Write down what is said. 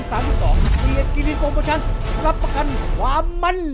เซียกิรินโปรโมชันรับประกันความมั่น